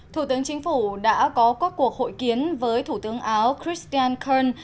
thủ tướng chính phủ đã có các cuộc hội kiến với thủ tướng áo christian ken